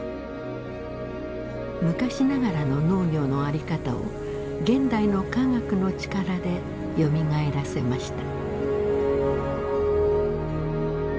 昔ながらの農業の在り方を現代の科学の力でよみがえらせました。